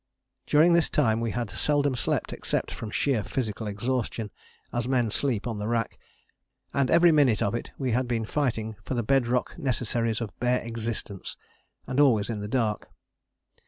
During this time we had seldom slept except from sheer physical exhaustion, as men sleep on the rack; and every minute of it we had been fighting for the bed rock necessaries of bare existence, and always in the dark.